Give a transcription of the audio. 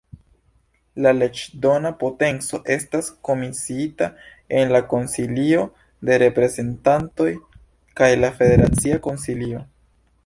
La leĝdona potenco estas komisiita en la Konsilio de Reprezentantoj kaj la Federacia Konsilio.